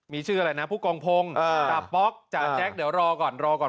มีชื่ออะไรนะผู้กองพงศ์จาป๊อกจ่าแจ๊คเดี๋ยวรอก่อนรอก่อน